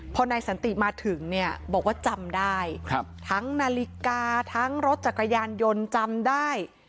พอนายสันติมาถึงเนี่ยบอกว่าจำได้ทั้งนาฬิกาทั้งรถจักรยานยนต์จำได้